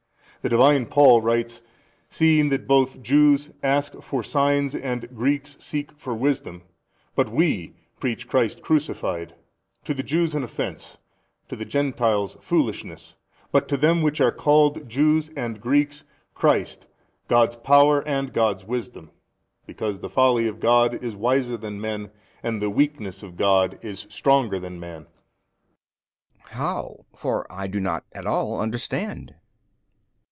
The Divine Paul writes, Seeing that both Jews ask for signs and Greeks seek for wisdom, but WE preach Christ 73 Crucified, to the Jews an offence, to the Gentiles foolishness, but to them which are called, Jews and Greeks, Christ God's Power and God's wisdom, because the folly of God, is wiser than men and the weakness of God is stronger than men. B. How? for I do not at all understand.